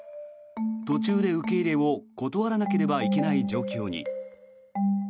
途中で受け入れを断らなければいけない状況に。